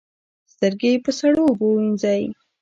سترګې په سړو اوبو وینځئ